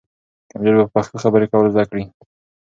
کمپیوټر به په پښتو خبرې کول زده کړي.